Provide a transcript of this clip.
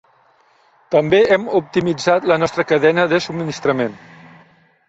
També hem optimitzat la nostra cadena de subministrament.